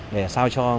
để sao cho